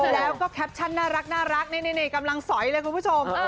แล้วก็แคปชั่นน่ารักนี่กำลังสอยเลยคุณผู้ชม